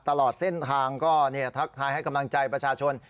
ตลอดเส้นทางก็ทักทายให้กำลังใจประชาชน